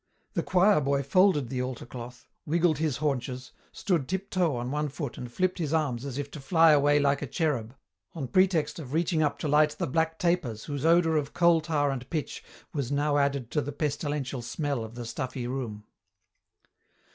The choir boy folded the altar cloth, wiggled his haunches, stood tiptoe on one foot and flipped his arms as if to fly away like a cherub, on pretext of reaching up to light the black tapers whose odour of coal tar and pitch was now added to the pestilential smell of the stuffy room.